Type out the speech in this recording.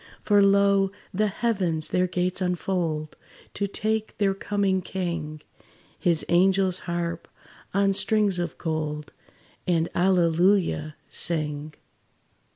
For lo! the heavens their gates unfold To take their coming King: His angels harp on strings of gold, And "Hallelujah!" sing.